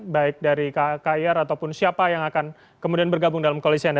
baik dari kkir ataupun siapa yang akan kemudian bergabung dalam koalisi anda